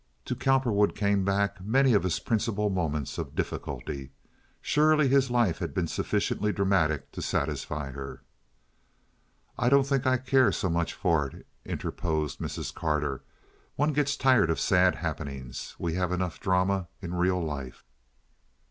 To Cowperwood came back many of his principal moments of difficulty. Surely his life had been sufficiently dramatic to satisfy her. "I don't think I care so much for it," interposed Mrs. Carter. "One gets tired of sad happenings. We have enough drama in real life."